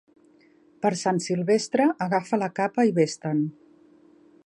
Per Sant Silvestre, agafa la capa i ves-te'n.